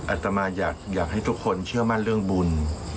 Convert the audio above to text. อาตมาอยากให้ทุกคนเชื่อมั่นเรื่องบุญ